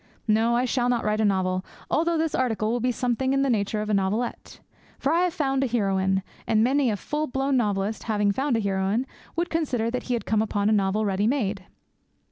No, I shall not write a novel, although this article will be something in the nature of a novelette. For I have found a heroine, and many a full blown novelist, having found a heroine, would consider that he had come upon a novel ready made.